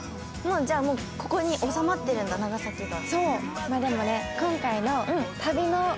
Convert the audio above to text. じゃあここに収まってるんだ、長崎が。